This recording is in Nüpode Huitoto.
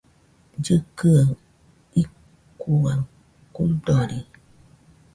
Llɨkɨaɨ icuaɨ kuidori